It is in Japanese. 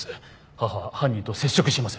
母は犯人と接触しています。